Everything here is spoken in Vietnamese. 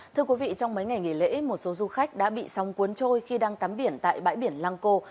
thưa quý vị trong mấy ngày nghỉ lễ một số du khách đã bị sóng cuốn trôi khi đang tắm biển tại bãi biển lăng cô